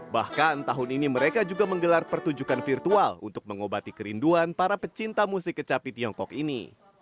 bahkan tahun ini mereka juga menggelar pertunjukan virtual untuk mengobati kerinduan para pecinta musik kecapi tiongkok ini